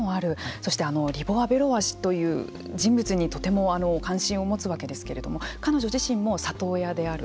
そして、リボワベロワ氏という人物にとても関心を持つわけですけれども彼女自身も里親である。